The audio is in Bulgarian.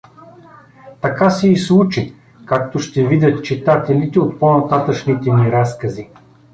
Така се и случи, както ще видят читателите от по-нататъшните ми разкази.